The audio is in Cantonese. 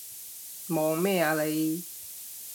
望咩啊你？